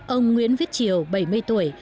ông nguyễn viết triều bảy mươi tuổi